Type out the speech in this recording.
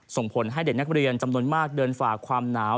ส่งผลให้เด็กนักเรียนจำนวนมากเดินฝ่าความหนาว